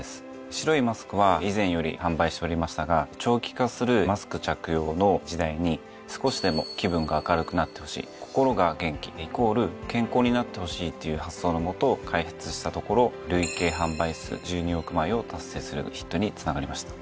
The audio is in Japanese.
白いマスクは以前より販売しておりましたが長期化するマスク着用の時代に少しでも気分が明るくなってほしい心が元気イコール健康になってほしいっていう発想の下開発したところ累計販売数１２億枚を達成するヒットにつながりました。